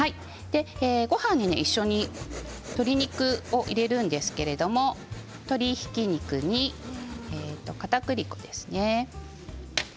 ごはんに一緒に鶏肉を入れるんですけれど鶏ひき肉にかたくり粉ですね。